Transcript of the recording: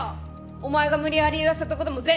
お前が無理やり言わせたことも全部。